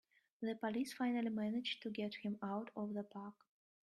The police finally manage to get him out of the park!